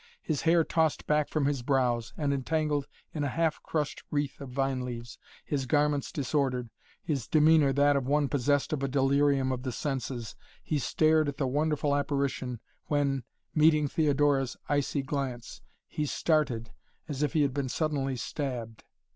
His hair tossed back from his brows and entangled in a half crushed wreath of vine leaves, his garments disordered, his demeanor that of one possessed of a delirium of the senses, he stared at the wonderful apparition when, meeting Theodora's icy glance, he started as if he had been suddenly stabbed.